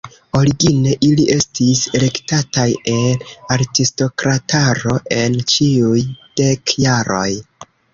Origine ili estis elektataj el aristokrataro en ĉiuj dek jaroj.